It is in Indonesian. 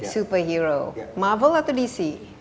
superhero marvel atau dc